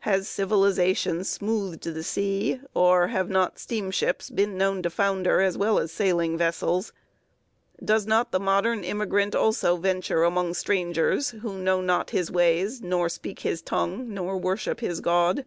Has civilization smoothed the sea, or have not steamships been known to founder as well as sailing vessels? Does not the modern immigrant also venture among strangers, who know not his ways nor speak his tongue nor worship his God?